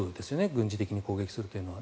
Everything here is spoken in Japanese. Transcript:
軍事的に攻撃するというのは。